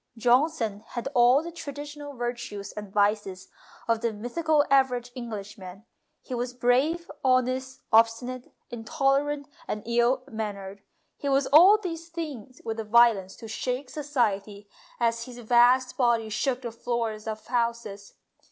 Johnson had all the traditional virtues and vices of the mythical average Englishman. He was brave, honest, obstinate, intolerant, and ill mannered ; he was all these things with a violence to shake society, as his vast body 228 MONOLOGUES shook the floors of houses.